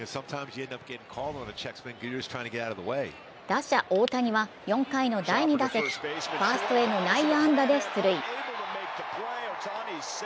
打者・大谷は４回の第２打席、ファーストへの内野安打で出塁。